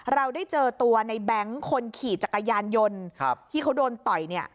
เราได้เจอตัวในแบงค์คนขี่จักรยานยนต์ที่เขาโดนต่อยเนี่ย